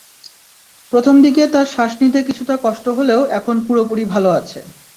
প্রথম দিকে তার শ্বাস নিতে কিছুটা কষ্ট হলেও এখন পুরোপুরি ভালো আছে।